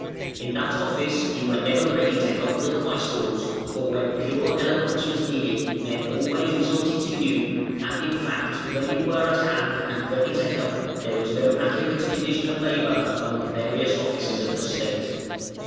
In that office you were ever ready to help the Quæstors, for when pure eloquence was needed men always resorted to you; and, in fact, when you were at hand and ready to help, there was no accurate division of labour among the various offices of the State.